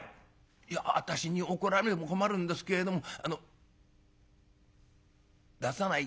「いや私に怒られても困るんですけれどもあの出さない